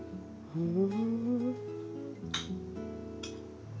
うん。